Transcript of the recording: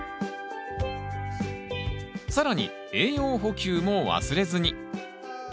更に栄養補給も忘れずに。